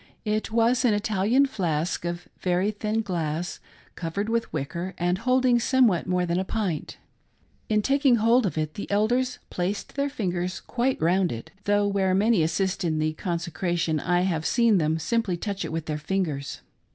It was an Italian flask of very thin glass, covered with wicker, and holding somewhat more than a pint. In taking hold of it, the elders placed their fingers quite round it ; though, where many assist in the consecration, I have seen them simply touch it with their fingers.